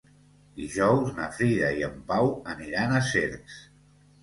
Dijous na Frida i en Pau aniran a Cercs.